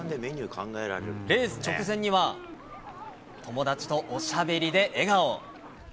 レース直前には、友達とおしゃべりで笑顔。